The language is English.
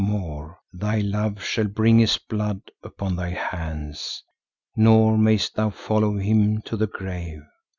More, thy love shall bring his blood upon thy hands, nor mayest thou follow him to the grave.